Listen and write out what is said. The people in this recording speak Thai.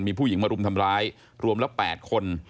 มีผู้หญิงมารุมทำร้ายรวมแล้ว๘คน